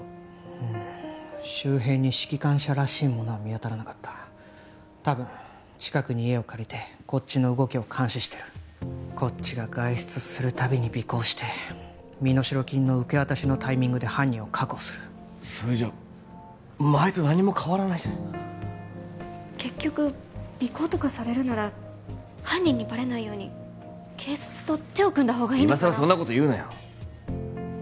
うん周辺に指揮官車らしいものは見当たらなかったたぶん近くに家を借りてこっちの動きを監視してるこっちが外出する度に尾行して身代金の受け渡しのタイミングで犯人を確保するそれじゃ前と何も変わらないじゃないか結局尾行とかされるなら犯人にバレないように警察と手を組んだ方がいいのかな今さらそんなこと言うなよ！